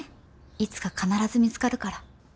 いつか必ず見つかるから。